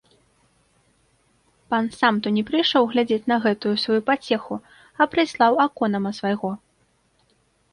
Пан сам то не прыйшоў глядзець на гэтую сваю пацеху, а прыслаў аконама свайго.